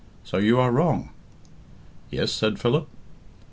So you are wrong." "Yes?" said Philip.